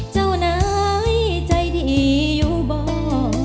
เจ้านายใจดีอยู่บ่อ